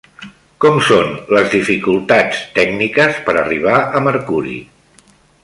Com són les dificultats tècniques per arribar a Mercuri?